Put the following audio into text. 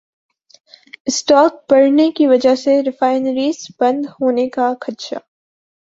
stock بڑھنے کی وجہ سے ریفائنریز بند ہونے کا خدشہ